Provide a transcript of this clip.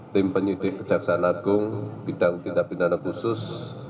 tim penyidik kejaksaan agung bidang tindak pidana khusus